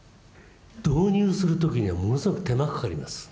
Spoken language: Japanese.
導入する時にはものすごく手間かかります。